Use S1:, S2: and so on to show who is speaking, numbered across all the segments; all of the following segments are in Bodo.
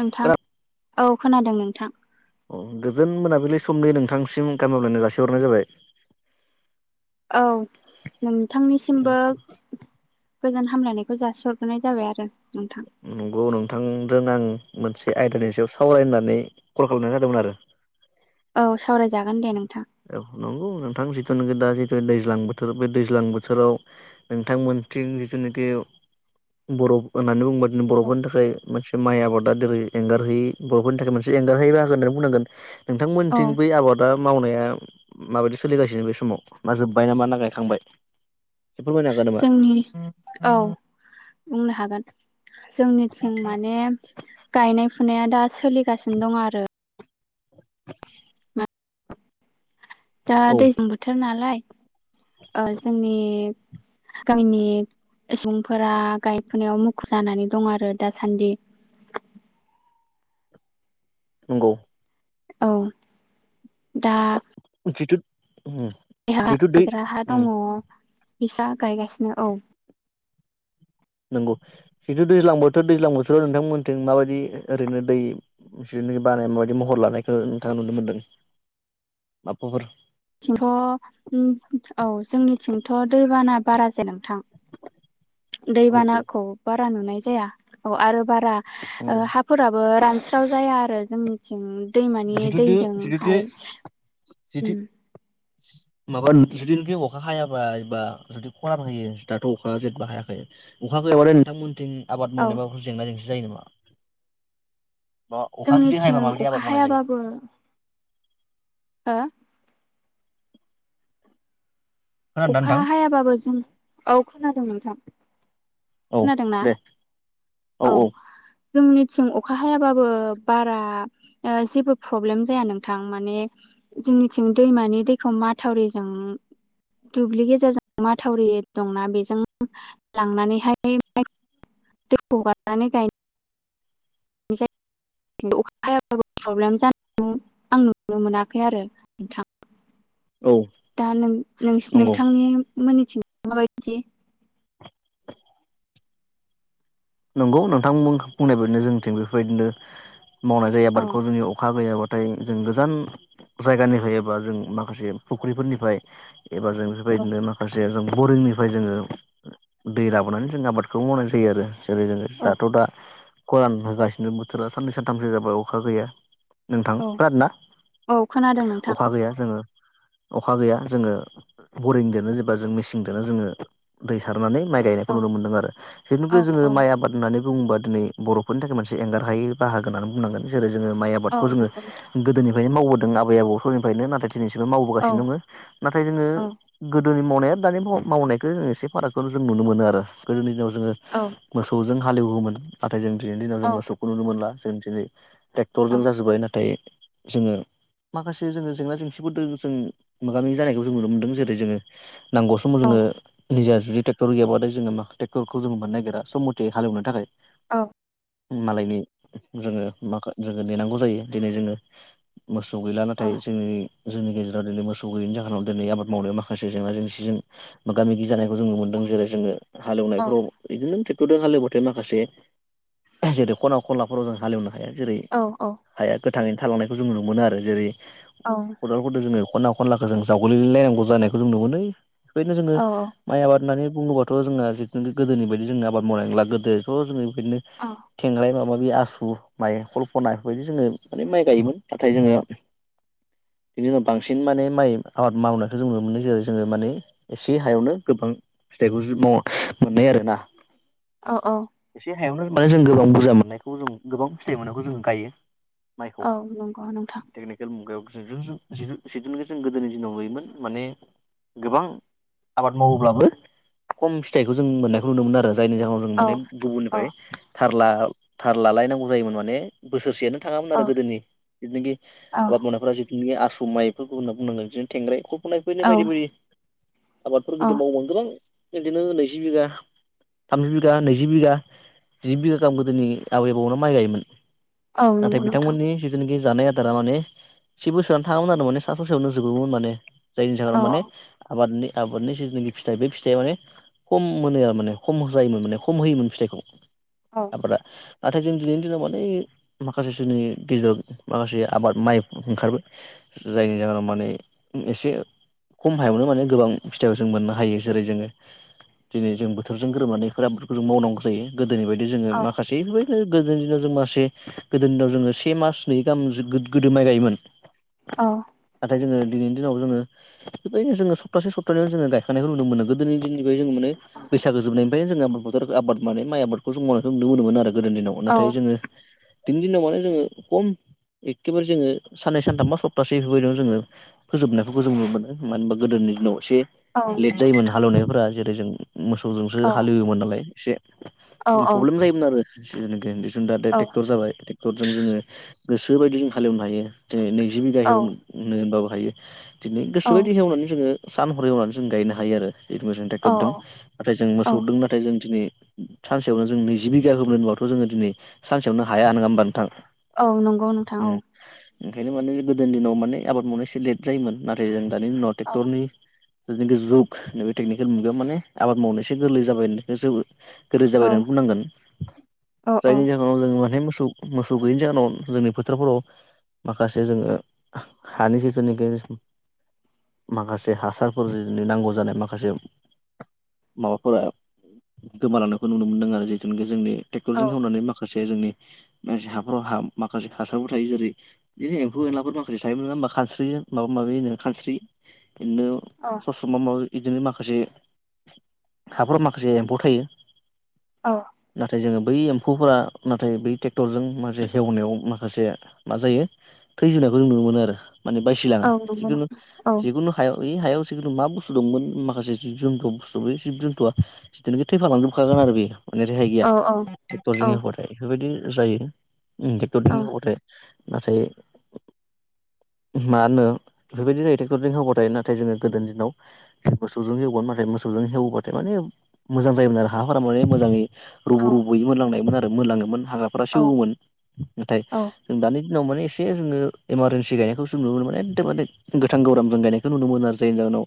S1: नोंथां औ खोनादों नोंथां।
S2: अ गोजोन मोनाबिलि समनि नोंथांसिम गाहाम हामलायनाय जासिहरनाय जाबाय।
S1: औ नोंथांनिसिमबो गोजोन हामलायनायखौ जासिहरग्रोनाय जाबाय आरो। नोंथां
S2: नंगौ नोंथां। जों नां मोनसे आयदानि सायाव सावरायनो होननानै कल खालामनाय जादोंमोन आरो।
S1: औ सावरायजागोन दे नोंथां।
S2: औ नंगौ नोंथां जिथु नोङो दा जिथु दैज्लां बोथोर बे दैज्लां बोथोराव नोंथांमोनथिं जिथुनाखि बर' होननानै बुंङोबा दि बर'फोरनि थाखाय मोनसे माइ आबादा जेरै एंगारहायै बर'फोरनि थाखाय मोनसे एंगारहायै बाहागो होननानै बुंनांगोन।
S1: औ
S2: नोंथांमोनथिं बै आबादा मावनाया माबायदि सोलिगासिनो बे समाव मा जोब्बाय ना मा ना गायखांबाय? एसे फोरमायनो हागोन
S1: जोंनि औ
S2: नामा?
S1: बुंनो हागोन। जोंनिथिं माने गायनाय फुनाया दा सोलिगासिनो दं आरो।
S2: [inaudible]
S1: दा
S2: औ
S1: दैज्लां बोथोर नालाय ओ जोंनि गामिनि सुबुंफोरा गायफुनायाव मुखुब जानानै दं आरो दासान्दि।
S2: नंगौ।
S1: औ दा
S2: जिथु उम
S1: जायहा
S2: जिथु दै
S1: गायग्रा हा
S2: उम
S1: दङ। बिसा गायगासिनो औ।
S2: नंगौ जिथु दैज्लां बोथोर दैज्लां बोथोराव नोंथांमोनथिं माबायदि ओरैनो दै जो नि बानाय मयबादि महर लानायखौ नोंथाङा नुनो मोन्दों। माबाफोर
S1: थिंथ' उम औ जोंनिथिंथ' दैबाना बारा जाया नोंथां।
S2: औ
S1: दैबानाखौ बारा नुनाय जाया औ आरो बारा ओ
S2: नंगौ
S1: हाफोराबो रानस्राव जाया आरो जोंनिथिं। दैमानि
S2: जिथुदो जिथुदो
S1: दैजोंहाय
S2: जिथु जिथु
S1: उम
S2: माबा जुदिखि अखा हायाबा एबा जुदि खहाबो होयो दाथ' अखा जेनेबा हायाखै। अखा गैआबाथाय नोंथांमोनथिं आबाद
S1: औ
S2: मावनायबा जेंना जेंसि जायो नामा? बा अखा जुदि हायाबा
S1: जोंनिथिं
S2: माबायदि आबाद
S1: अखा
S2: मावनाय जायो
S1: हायाबाबो हो अखा
S2: खोनादोंना नोंथां
S1: हायाबाबो जों औ खोनादों नोंथां।
S2: औ
S1: खोनादोंना
S2: दे
S1: औ। जोंनिथिं अखा हायाबाबो बारा जेबो प्रब्लेम जाया नोंथां माने जोंनिथिं दैमानि दैखौ माथावरिजों दुब्लि गेजेरजों माथावरि दंना बेजों लांनानैहाय [unintelligible] [inaudible] अखा हायाबाबो प्रब्लेम जानाय आं नुनो मोनाखै आरो नोंथां।
S2: औ
S1: दा नों नोंसि
S2: नंगौ
S1: नोंथांनि मोननिथिं माबायदि
S2: [inaudible] नंगौ नोंथांमो बुंनाय बायदिनो जोंनिथिं बेफोरबायदिनो मावनाय जायो
S1: औ
S2: आबादखौ जोंनि अखा गैयाबा थाय जों गोजान जायगानिफ्राय एबा जों माखासे फुख्रिफोरनिफ्राय एबा जों
S1: औ
S2: बेफोरबायदिनो माखासे जों बरिंनिफाय जोङो दै लाबोनानै जों आबादखौ मावनाय जायो आरो। जेरै जोङो
S1: औ
S2: दाथ दा खरान होगासिनो बोथोरा साननै सानथामसो जाबाय अखा गैया। नोंथां
S1: औ
S2: खोनादों ना?
S1: औ खोनादों नोंथां
S2: अखा गैया जोङो अखा गैया जोङो बरिंजोंनो जेनेबा जों मेसिनजोंनो जोङो दै सार सारनानै माइ गायनायखौ
S1: औ
S2: नुनो मोनदों आरो।
S1: औ
S2: जोङो
S1: औ
S2: माइ आबाद होननानै बुङोबा दिनै बरफोरनि थाखाय मोनसे एंगार हायै बाहागो होननानै बुंनांगोन जेरै जोङो माइ
S1: औ
S2: आबादखौ जोङो
S1: नंगौ नोंथां
S2: गोदोनिफायनो मावबोदों आबै आबौ समनिफायनो नाथाय दिनैसिमबो
S1: औ
S2: मावबोगासिनो दङ नाथाय जोङो गोदोनि मावनाय दानि माव मावनायखौ जों एसे फारागखौ जों नुनो मोनो आरो गोदोनि दिनाव जोङो मोसौ जों हालेवोमोन नाथाय जों दिनैनि दिनाव
S1: औ
S2: जों मोसौखौ नुनो मोनला जों दिनै ट्रेक्टरजों जाजोब्बाय नाथाय जोङो माखासे जोङो जेंना जेंसिफोरदों जों मोगा मोगि जानायखौ जों नुनो मोन्दों जेरै जोङो। नांगौ समाव जोङो
S1: औ
S2: निजा जुदि टेक्टर गैयाबाथाय मा टेक्टरखौ जों मोननो नागिरा सम मथे हालेवनो थाखाय। मालायनि जोङो माखा जोङो नेनांगौ जायो दिनै जोङो मोसौ गैला नाथाय जोंनि जोंनि गेजेराव दिनै मोसौ गैयिनि जाहोनाव दिनै आबाद मावनायाव माखासे जेंना जेंसिजों मोगा मोगि जानाय खौ जों मोनदों जेरै जोंनो हालेवनायफ्राव बिदिनो टेक्टरजों हालेवबाथाय माखासे जेरै खना खनलाफोराव जों हालेवनो हाया। जेरै हाया गोथाङैनो थालांनायखौ जोङो नु मोनो आरो जेरै खदालफोरजों जोङो खनना खनलाखौ जों जावग्लिलायनांगौ जानायखौ जों नु मोनो बेबायदिनो जोङो माइ आबाद होननानै बुङोबाथ जोंना बिदिनो गोदोनि बायदि जोङो आबाद मावनाय नंला गोदोथ जोङो बेबायदिनो खेंलाय माबि आसु माइ कल्पना बायदि जोङो माने माइ गायोमोन नाथाय जोङो
S1: [inaudible]
S2: बिनि उनाव बांसिन माने माइ आबाद मावनायखौ जों नुनो मोनो। जेरै जोङो माने एसे हायावनो गोबां फिथाइबो जो मावा मोननाय आरो ना।
S1: औ औ
S2: हायावनो माने जों गोबां बुरजा मोननायखौ जों गोबां फिथाइ मोननायखौ जों गायो। माइखौ
S1: औ नंगौ नोंथां
S2: टेकनिकेल मुगायाव जिदु जों जिदु जिदुनोखि जों गोदोनि दिनाव नुयोमोन माने गोबां आबाद मावोब्लाबो खम फिथाइखौ जों मोननायखौ नुनो मोनो आरो जायनि जाहोनाव जों
S1: औ
S2: माने
S1: औ
S2: गुबुननिफाय थारला। थार लालायनांगौ जायोमोन माने बोसोरसेनो थाङामोन आरो गोदोनि जिथुनिखि आबाद मावनायफ्रा जिथुनोखि आसु गुमायफोरखौ होनना बुंनांगोन बिनो थेंग्राय खुब खननाय फैनाय
S1: औ
S2: बायदि बोरि आबादफोर
S1: औ
S2: गोदो मावोमोन गोबां बिदिनो नैजि बिघा थामजि बिघा नैजि बिघा जि बिघा गाहाम गोदोनि आबै आबौयानो माइ गायोमोन
S1: औ
S2: नाथाय
S1: नंगौ नोंथां
S2: बिथांमोननि जिथुनोखि जानाय आदारा माने से बोसोरानो थाङामोन आरो माने सा ससेयावनो जोबोमोन माने जायनि जाहोनाव
S1: औ
S2: माने आबादनि आबादनि जिथुनोखि फिथाइ बे फिथाइया माने खम मोनो आरो माने खम होलायोमोन माने खम होयोमोन फिथाइखौ
S1: औ
S2: आबादा नाथाय जों दिनैनि दिनाव माने माखासे जोंनि गेजेराव माखासे आबाद माइ ओंखारबाय जायनि जाहोनाव माने ओम एसे खम हायावनो माने गोबां फिथाइखौ जों मोननो हायो जेरै जोङो दिनै जों बोथोरजों गोरोबनानै फोरामफोरखौ जों मावनांगौ जायो गोदोनि बायदि जोङो
S1: औ
S2: माखासेबो ओ गोदोनि दिनाव जों मासे गोदोनि दिनाव जोङो से मास नै गाहाम गोदो माइ गायोमोन
S1: औ
S2: नाथाय जोङो दिनिनि दिनाव जोङो बेबायदिनो जोङो सप्तसे सप्तानैयाव जोङो गायखांनायखौ नुनो मोनो गोदोनिदिनिफ्राय जोङो माने बैसागो जोबनायनिफ्राय जोङो बो-बोथोर आबाद माने माइ आबादखौ जों मावनायखौ नुनो मोनोमोन आरो गोदोनि दिनाव
S1: औ
S2: नाथाय जोङो दिनिनि दिनाव माने जोङो खम एकेबारे जोङो साननै सान्थाम बा सप्तासे बेफोरबायदिनो जोङो फोजोबनायखौबो जों नुनो मोनो मानो होनबा गोदोनि दिनाव एसे
S1: औ
S2: लेट
S1: नंगौ
S2: जायोमोन
S1: नोंथां
S2: हालेवनायफोरा जेरै जों मोसौजोंसो
S1: औ
S2: हालेवोमोन नालाय एसे
S1: औ औ
S2: प्रब्लेम जायोमोन आरो [unintelligible] जों दा दे
S1: औ
S2: ट्रेक्टर जाबाय ट्रेक्टरजों जोङो गोसोबायदि जों हालेवनो हायो नैजि बिगा
S1: औ
S2: हेवनो नो होनबाबो हायो दिनै
S1: औ
S2: गोसोबायदि एवनानै जोङो सान हरै एवनानै जों गायनो हायो आरो जिकुनु जों
S1: औ
S2: ट्रेक्टरदों नाथाय जों
S1: औ
S2: मोसौदों नाथाय जों दिनै सानसेयावनो जों नैजि बिघा हेवनो नुवाथ जोङो दिनै सानसेयावनो हाया नोङा होमबा नोंथां
S1: औ नंगौ नोंथां
S2: ओम ओंखायनो माने गोदोनि दिनाव माने आबाद मावनाय एसे लेट जायोमोन नाथाय जों दानि दिनाव
S1: औ
S2: ट्रेक्टरनि जितु जुग नैबे तेकनिकेल मुगायाआव माने आबाद मावनो एसे गोरलै जाबाय जो गोरलै जाबाय
S1: औ
S2: होननानै बुंनांगोन
S1: औ औ
S2: जायनि जाहोनाव जोंङो माने मोसौ मोसौ गैयिनि जाहोनाव जोंनि फोथारफोराव माखासे जोङो हानि जितुनिखि माखासे हासारफोर नो नांगौ जानाय माखासे माबाफोरा गोमालांनायखौ नुनो मोनदों आरो जिथुनोखि जोंनि ट्रेक्टरजों हेवनानै माखासे जोंनि [unintelligible] हाफोराव हाम माखासे हासारबो थायो जेरै इदिनो एम्फौ एनलाफोर माखासे थायो नोङा होमबा खानस्रि माबा माबि होनो खानस्रि इदिनो
S1: औ
S2: सस्रमा माबा माबि इदिनो माखासे हाफोराव माखासे एम्फौ थायो
S1: औ
S2: नाथाय जोङो बै एम्फौफोरा नाथाय बै ट्रेक्टरजों माखासे हेवनायाव माखा माखासे मा जायो थै जोबनायखौ जों नुनो मोनो आरो माने बायसिलाङा
S1: औ नंगौ
S2: जिखुनु
S1: नोंथां औ
S2: जिखुनु हायाव इ हायाव जिखुनु मा बुस्थु दंमोन माखासे जिब जुन्थखौ जोनथआ जितुनोखि थैफालांजोबखागोन आरो बेयो माने रेहाय गैया
S1: औ
S2: टेक्टरजोंनि हेवबाथाय बेफोरबायदि जायो ओम ट्रेक्टरजोंनि
S1: औ
S2: हेवबाथाय नाथाय
S1: [inaudible]
S2: मा होनो बेफोरबायदि जायो ट्रेक्टरजों हेवबाथाय नाथाय जोङो गोदो दिनाव मोसौजों हेवगोन नाथाय मोसौ जों हेवबाथाय माने मोजां जायोमोन आरो हाफोरा माने मोजाङै रुुबु रुबुयै मोनलांनायमोन आरो मोनलाङोमोन हाग्राफोरा
S1: औ
S2: सेवोमोन नाथाय जों दानि दिनाव माने एसे जोङो इमारजेन्सि गायनायखौसो नुनो मोनो माने एकदमान माने गोथां‌ गोब्रामजों गायनायखौ नुनो मोनो आरो जायनि जाउनाव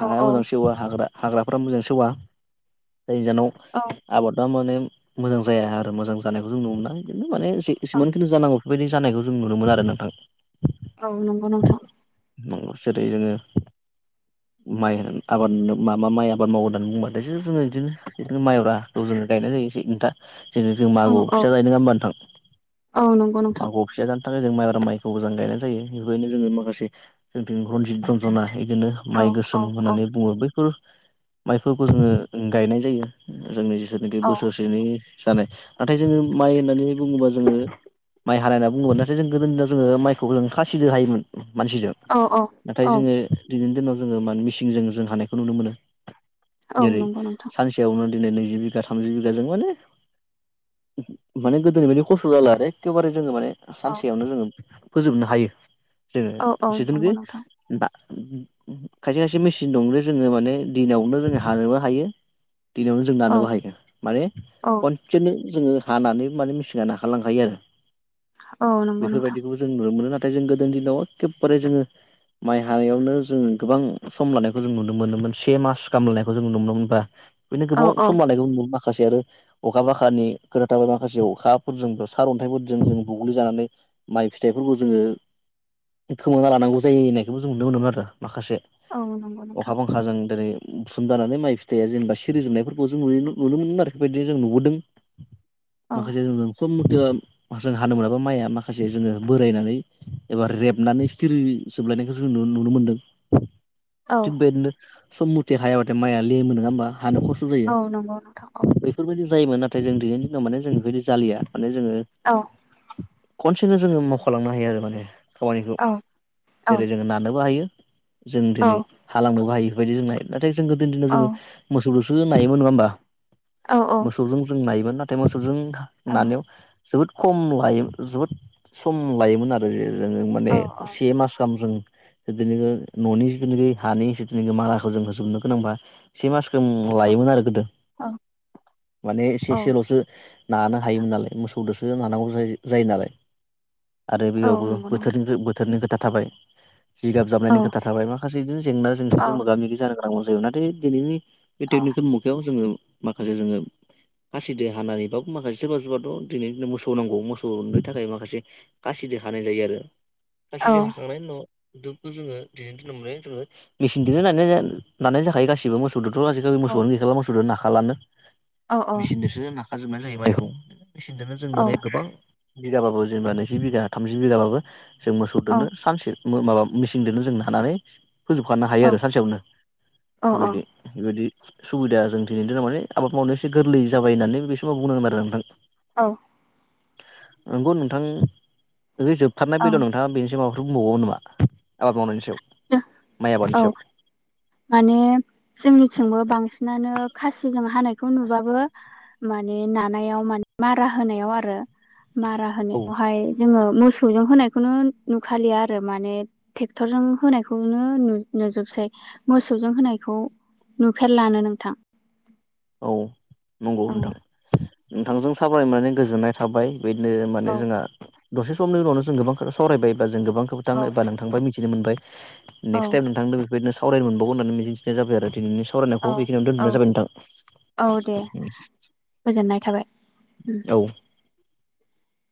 S2: हाया मोजां सेवा हाग्रा हाग्राफोरा मोजां सेवा जायनि जाउनाव आबादा माने मोजां जाया आरो मोजां जानायखौ जों नुनो मोना इदीनो खिन्थु माने से
S1: औ
S2: एसेबांखिनि जानांगौ बेफोरबायदि जानायखौ जों नुनो मोना आरो नोंथां
S1: औ नंगौ नोंथां
S2: [unintelligible] जोङो माइ होन आबाद होनना मा मा माइ आबाद मावो होननानै बुंबाथायसो जोङो बिदिनो बिदिनो माइब्राखौ जोङो गायनाय जायो एसे नोंथां जेरै जों
S1: औ
S2: मागोआव
S1: औ
S2: फिसा जायो नोङा होनबा नोंथां
S1: औ नंगौ नोंथां
S2: मागोआव फिथा जानो थाखाय जों माइब्रा माइखौ मोजां गायनाय जायो बेनिखायनो जोङो माखासे जोंथिं रनजित रन्जना बिदिनो
S1: औ
S2: माइ
S1: औ
S2: गोसोम
S1: औ
S2: होननानै बुङो बै बेफोर माइफोरखौ जोङो ओ गायनाय जायो जोंनि जेतुनाखि
S1: औ
S2: बोसोरसेनि जानाय नाथाय जोङो माइ होननानै बुङोबा जोङो माइ हानाय होनना बुङोबा नाथाय जों गोदो दिनाव जोङो माइखौ जों खासिदो हायोमोन मानसिजों
S1: औ
S2: नाथाय
S1: औ
S2: जोङो दिनैनि दिनाव जोङो मा मिसिंजों जों हानाय खौ नुनो मोनो
S1: औ
S2: जेरै
S1: नंगौ नोंथां
S2: सानसेयावनो दिनै नैजि बिगा थामजि बिगा जों माने माने गोदोनि बायदि खस्थ' जाला आरो एखेबारे जोङो माने
S1: औ
S2: सानसेयावनो जोङो फोजोबनो हायो जोङो
S1: औ औ नंगौ
S2: जेथुनाखि
S1: नोंथां
S2: दा खायसे खायसे मेसिन दंलै जोङो माने दिनावनो जोङो हानोबो हायो दिनयावनो जों दाननोबो
S1: औ
S2: हायो माने
S1: औ
S2: खनसेनो जोङो खानानै माने मेसिंना नाखारलांखायो आरो
S1: औ नंगौ नोंथां
S2: बेफोरबायदिखौबो जों नुनो मोनो ना थाय जों गोदोनि दिनाव एखेबारे जोङो माइ हानायावनो जों गोबां सम लानायखौ जों नुनो नुनो मोनोमोन मोन से मास खालामलायनायखौ जों नुनो मोनोमोनब्रा बेनो
S1: औ
S2: गोबाव
S1: औ
S2: सम लानायखौ नु माखासे आरो अखा बाखानि खोथाथाबाय माखासे अखाफोरजों सार अन्थाइफोरजों जों बुग्लिजानानै माइ फिथाइफोरखौ जोङो खोमाना लानांगौ जायो होननायखौबो जों नुनो मोनोमोन आरो माखासे
S1: औ नंगौ नोंथां
S2: अखा बांखाजों दिनै बुथुम दानानै माइ फिथाइया जेनेबा सिरि जोबनायफोरखौ जों नुयो नुनो मोनोन आरोखि बेबायदिनो जों नुबोदों
S1: औ
S2: माखासे जों खम जोङो जों हानो मोनाबा माइआ माखासे जोङो बोरायनानै एबा रेबनानै सिरि जोब लायनायखौ जों नु नुनो मोनदों
S1: औ
S2: थिग बेबायदिनो सम मथि हायाबाथाय माइआ लेमो नङा होमबा हानो खस्थ' जायो
S1: औ नंगौ नोंथां औ
S2: बैफोरबायदि जायोमोन नाथाय जों दिनैनि दिनाव माने जों बेबायदि जालिया माने जोङो
S1: औ
S2: खनसेनो जोङो मावखालांनो हायो आरो माने खामानिखौ
S1: औ औ
S2: जेरै जोङो नानोबो हायो जों
S1: औ
S2: दिनै हालांनोबो हायो बेफोरबायदि जों नाथाय जोङो गोदोनि दिनाव
S1: औ
S2: जोङो मोसौजोसो जोङो नायोमोन नङा होमबा
S1: औ
S2: मोसौजों जों नायोमोन नाथाय मोसौजों नानायाव जोबोद खम लायो जोबोद सम लायोमोन आरो माने
S1: औ
S2: से मास गाहाम जों बिदिनो न'नि जिथुनाखि हानि इसेखिनिखौ माराखौ जों फोजोबनो गोनांबा से मासखौ लायोमोन आरो गोदो
S1: औ
S2: माने से
S1: औ
S2: से लसो नानो हायोमोन नालाय मोसौदोसो नानांगौ जायो जायो नालाय आरो
S1: औ
S2: बेयावबो
S1: नंगौ नोंथां
S2: बोथोरनिफ्राय बोथोरनि खोथा थाबाय जिगाब
S1: औ
S2: जाबनायनि खोथा थाबाय माखासे जेंना
S1: औ
S2: जेंसिजों मोगा मोगि जानो गोनांबो जायो नाथाय दिनैनि बे
S1: औ
S2: टेकनिकेल मुगायाव जोङो माखासे जोङो खासिदो हानानै बा माखासे सोरबा सोरबाथ' दिनैनि दिनाव मोसौ नांगौ मोसौनि थाखाय माखासे खासि देर हानाय जायो आरो
S1: औ
S2: खासिजों हाखांनायनि उनाव दुखौ जोङो दिनैनि दिनाव माने जोङो मेसिनजोंनो नानाय जा नानाय जाखायो गासिबो मोसौजोंथ' आजिखालि मोसौआनो गैखाला मोसौजों नाखालानो
S1: औ
S2: मेचिनजोंसो नाखाजोबनाय जायो माइखौ मेचिनजोंनो जों माने गोबां बिगाबाबो जेनेबा नैजि बिगा थामजि बिगाबाबो जों मोसौ दोंनो सानसे मो माबा मेचिनजोंनो जों हानानै फोजोबखानो हायो आरो सानसेयावनो बेबायदि बेबायदि सुबिदा जों दिनैनि दिनाव माने आबाद मावनायाव एसे गोरलै जाबाय होननानै बे समाव बुंनांगोन आरो नोंथां
S1: औ
S2: नंगौ नोंथां बे जोबथारनाय बेलायाव नोंथाङा बेनिसिम माबाफो बुंबावो नामा आबाद मावनायनि सायाव? माइ आबादनि
S1: औ
S2: सायाव
S1: माने जोंनिथिंबो बांसिनानो खासिजों हानायखौ नुबाबो माने नानायाव माने मारा होनायाव आरो मारा
S2: औ
S1: होनायावहाय जोङो मोसौजों होनायखौनो नुखालिया आरो माने टेक्टरजों होनायखौनो नु नुजोबसै मोसौजों होनायखौ नुफेरलानो नोंथां
S2: औ नंगौ
S1: औ
S2: नोंथां नोंथांजों साबरायनानै गोजोननाय थाबाय। बेदिनो माने
S1: औ
S2: जोंहा दसे समनि उनावनो जों गोबां सावरायबाय बा जों गोबां खोथाङो एबा
S1: औ
S2: नों थांबाय मिथि मिथि मोनबाय नेक्स्ट टाइम नोंथांनो बेबायदिनो सावरायनो मोनबावगोन होननानै मिजिंथिनाय जाबाय आरो दिनैनि
S1: औ
S2: सावरायनायखौ बेखिनियाव
S1: औ
S2: दोनथबनाय जाबाय नोंथां।
S1: औ दे गोजोननाय थाबाय।
S2: औ